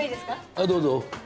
はいどうぞ。